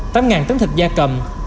tám tấn thịt da cầm